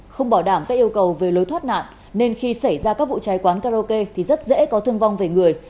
không bảo đảm các yêu cầu về lối thoát nạn nên khi xảy ra các vụ cháy quán karaoke thì rất dễ có thương vong về người